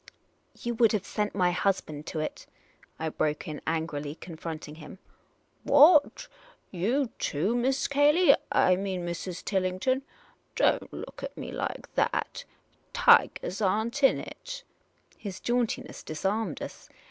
''" You would have sent my husband to it," I broke in, angrily, confronting him. " What ? You, too, Miss Cayley ?— I mean Mrs. Tilling ton. Don't look at me like that. Tigahs are n't in it." His jauntiness disarmed us.